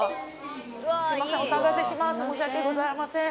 申し訳ございません。